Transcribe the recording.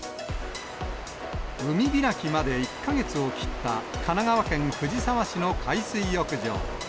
海開きまで１か月を切った神奈川県藤沢市の海水浴場。